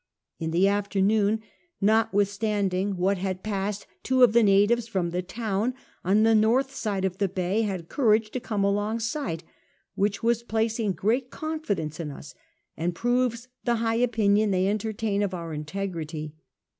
In the afternoon, notwithstanding what had passeil, two of the natives from the town on the north side of the bay had courage to come alongside, which was placing great confidence in us, and proves the high opinion they entertain of our integrity.